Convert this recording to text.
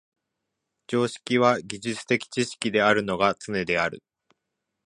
常識は技術的知識であるのがつねである。